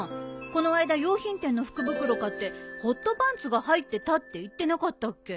この間洋品店の福袋買ってホットパンツが入ってたって言ってなかったっけ？